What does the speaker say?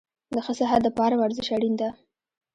د ښه صحت دپاره ورزش اړین ده